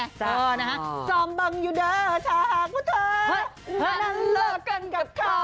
เออป๊าป๊าป๊า